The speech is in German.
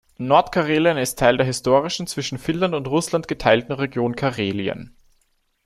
Nordkarelien ist Teil der historischen, zwischen Finnland und Russland geteilten Region Karelien.